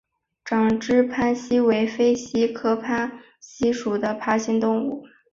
长肢攀蜥为飞蜥科攀蜥属的爬行动物。